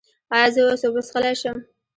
ایا زه اوس اوبه څښلی شم؟